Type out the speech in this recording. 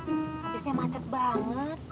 habisnya macet banget